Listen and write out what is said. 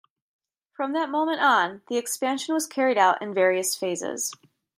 From that moment on, the expansion was carried out in various phases.